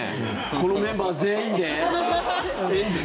このメンバー全員で？